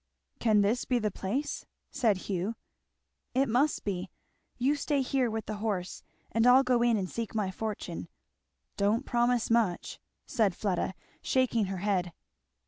"Can this be the place?" said Hugh. "It must be. You stay here with the horse, and I'll go in and seek my fortune. Don't promise much," said Fleda shaking her head.